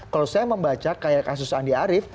kalau saya membaca kayak kasus andi arief